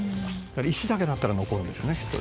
「石だけだったら残るんでしょうねきっと。